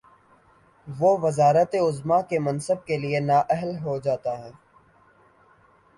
وہ وزارت عظمی کے منصب کے لیے نااہل ہو جا تا ہے۔